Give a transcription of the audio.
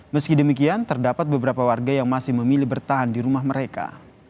meski demikian terdapat beberapa warga yang masih memilih bertahan di rumah mereka